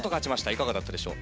いかがだったでしょう？